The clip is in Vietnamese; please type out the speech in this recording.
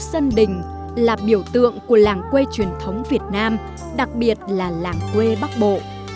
sân đình là biểu tượng của làng quê truyền thống việt nam đặc biệt là làng quê bắc bộ